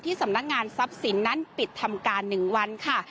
สำนักงานทรัพย์สินนั้นปิดทำการ๑วันค่ะ